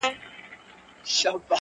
زما سره يې دومره ناځواني وكړله .